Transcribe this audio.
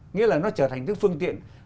nghĩa là nó trở thành cái phương tiện